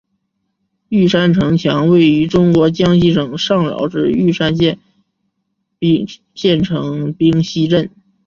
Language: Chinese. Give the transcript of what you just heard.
玉山城墙位于中国江西省上饶市玉山县县城冰溪镇。